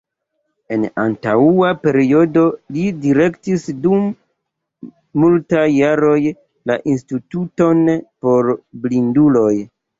En antaŭa periodo li direktis dum multaj jaroj la Instituton por Blinduloj.